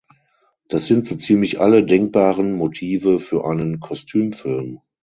Das sind so ziemlich alle denkbaren Motive für einen Kostümfilm.